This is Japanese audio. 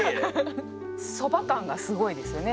そば感がすごいですよね。